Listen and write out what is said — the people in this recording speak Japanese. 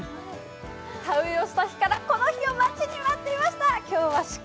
田植えをした日からこの日を待ちに待っていました。